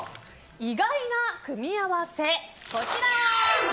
意外な組み合わせ、こちら。